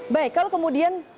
baik kalau kemudian